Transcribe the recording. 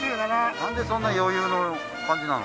なんでそんな余裕の感じなの？